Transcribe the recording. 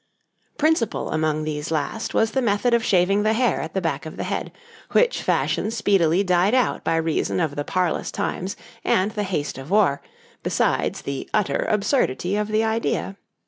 Principal among these last was the method of shaving the hair at the back of the head, which fashion speedily died out by reason of the parlous times and the haste of war, besides the utter absurdity of the idea.